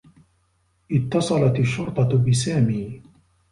اتّصلت الشّرطة بسامي.